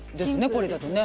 これだとね。